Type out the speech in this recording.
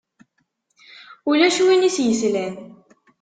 Ulac win i s-yeslan.